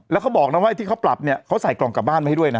แล้วเขาบอกนะว่าไอ้ที่เขาปรับเนี่ยเขาใส่กล่องกลับบ้านมาให้ด้วยนะ